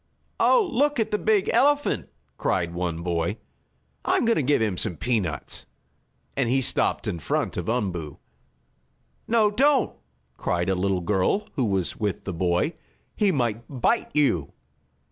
"Oh, look at the big elephant!" cried one boy. "I'm going to give him some peanuts!" and he stopped in front of Umboo. "No, don't!" cried a little girl who was with the boy. "He might bite you."